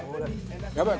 やばい。